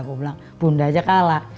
gue bilang bunda aja kalah